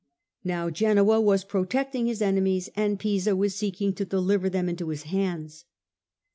Now Genoa was protecting his enemies and Pisa was seeking to deliver them into his hands.